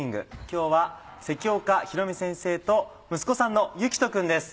今日は関岡弘美先生と息子さんの志人君です。